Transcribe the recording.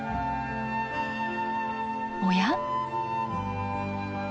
おや？